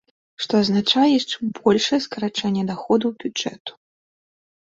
Што азначае яшчэ большае скарачэнне даходаў бюджэту.